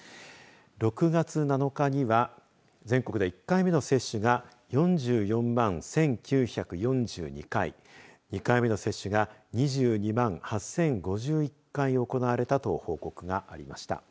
６月７日には全国で１回目の接種が４４万１９４２回２回目の接種が２２万８０５１回を行われたと報告がありました。